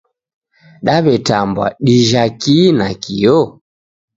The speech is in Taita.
Daw'etambwa, dijha kihi nakio?